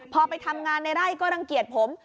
พอไปทำงานในไร่ก็รังเกียจผม